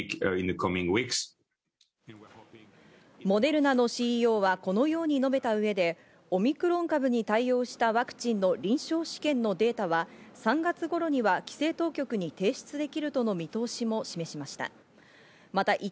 モデルナのＣＥＯはこのように述べた上で、オミクロン株に対応したワクチンの臨床試験のデータは３月頃には規制当局に提出できるとの見通しも示しました。